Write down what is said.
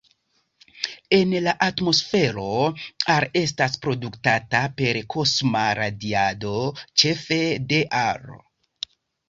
En la atmosfero, Ar estas produktata per kosma radiado, ĉefe de Ar.